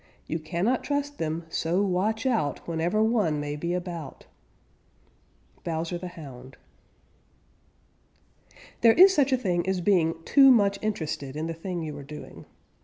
You cannot trust them, so watch out Whenever one may be about. Bowser the Hound. There is such a thing as being too much interested in the thing you are doing.